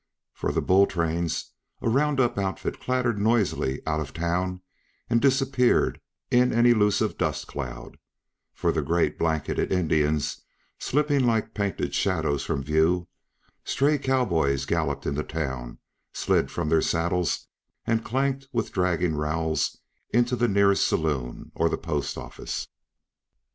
For the bull trains, a roundup outfit clattered noisily out of town and disappeared in an elusive dust cloud; for the gay blanketed Indians slipping like painted shadows from view, stray cow boys galloped into town, slid from their saddles and clanked with dragging rowels into the nearest saloon, or the post office.